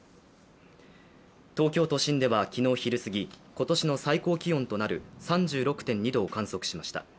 東京都心では昨日昼過ぎ、今年の最高気温となる３６．２度を観測しました。